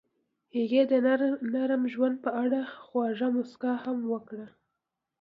هغې د نرم ژوند په اړه خوږه موسکا هم وکړه.